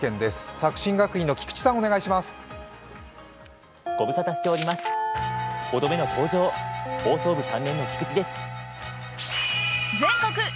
作新学院の菊池さん、お願いします